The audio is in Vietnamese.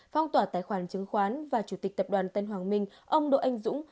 phong tỏa tài khoản chứng khoán và chủ tịch tập đoàn tân hoàng minh ông đỗ anh dũng